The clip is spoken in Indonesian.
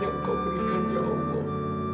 yang engkau berikan ya allah